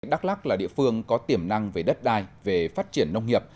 đắk lắc là địa phương có tiềm năng về đất đai về phát triển nông nghiệp